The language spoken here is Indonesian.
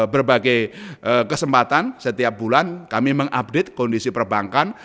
berbagai kesempatan setiap bulan kami mengupdate kondisi perbankan